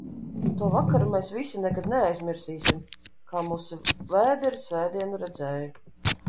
"To vakaru mēs visi nekad neaizmirsīsim, "kā mūsu vēderi svētdienu redzēja"."